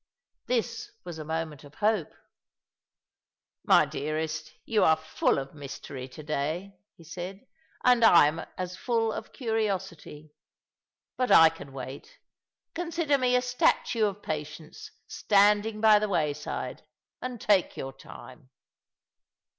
This was a moment of hope. 276 All along the River, "My dearest, you are full of mystery to day," he said, " and I am as full of curiosity. But I can wait. Consider me a statue of patience standing by the way side, and take your time."